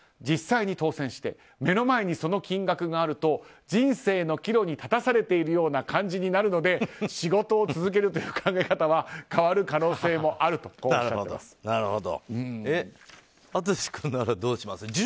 実際に当せんして目の前にその金額があると人生の岐路に立たされているような感じになるので仕事を続けるという考え方は変わる可能性もあるということです。